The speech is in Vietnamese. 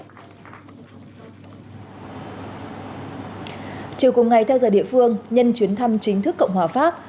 chiều cùng ngày theo giờ địa phương nhân chuyến thăm chính thức cộng hòa pháp